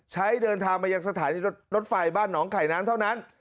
เดินทางมายังสถานีรถไฟบ้านหนองไข่น้ำเท่านั้น